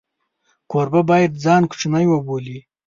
کوربه باید ځان کوچنی وبولي.